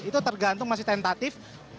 itu tergantung masih tentatif